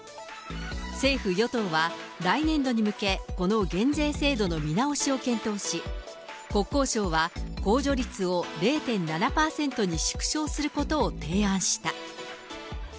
政府・与党は、来年度に向け、この減税制度の見直しを検討し、国交省は控除率を０．７％に縮小することを提案した。